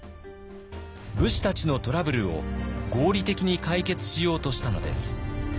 武士たちのトラブルを合理的に解決しようとしたのです。